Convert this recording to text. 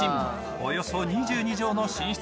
およそ２２畳の寝室